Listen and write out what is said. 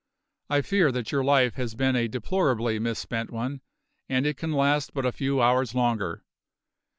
I fear that your life has been a deplorably misspent one, and it can last but a few hours longer.